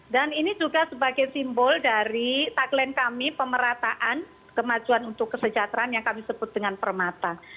dan ini juga sebagai simbol dari tagline kami pemerataan kemajuan untuk kesejahteraan yang kami sebut dengan permata